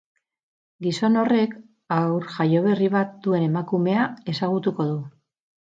Gizon horrek haur jaioberri bat duen emakumea ezagutuko du.